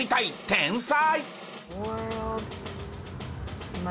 天才！